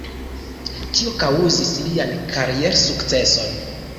Tio kaŭzis lian kariersukceson.